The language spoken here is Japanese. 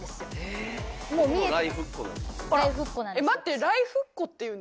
待って。